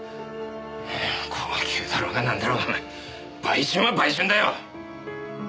高級だろうがなんだろうがお前売春は売春だよ！